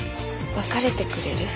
別れてくれる？